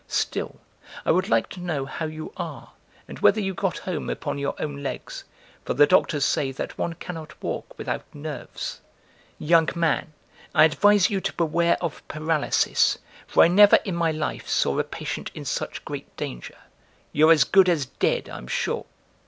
Still, I would like to know how you are and whether you got home upon your own legs, for the doctors say that one cannot walk without nerves! Young man, I advise you to beware of paralysis for I never in my life saw a patient in such great danger; you're as good as dead, I'm sure!